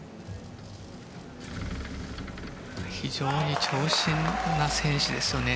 非常に長身の選手ですよね。